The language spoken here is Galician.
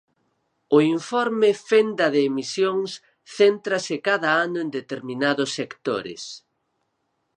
O informe Fenda de Emisións céntrase cada ano en determinados sectores.